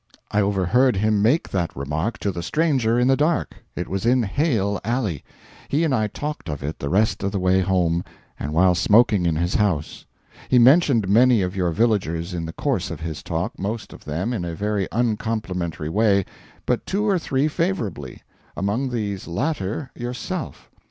I overheard him make that remark to the stranger in the dark it was in Hale Alley. He and I talked of it the rest of the way home, and while smoking in his house. He mentioned many of your villagers in the course of his talk most of them in a very uncomplimentary way, but two or three favourably: among these latter yourself.